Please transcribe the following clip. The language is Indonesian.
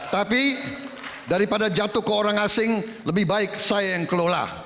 tapi daripada jatuh ke orang asing lebih baik saya yang kelola